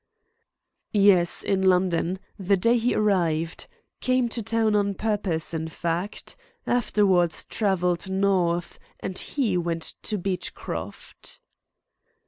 "Yes, in London, the day he arrived. Came to town on purpose, in fact. Afterwards I travelled North, and he went to Beechcroft."